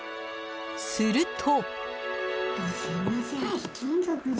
すると。